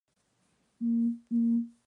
Disminuye el flujo de paquetes.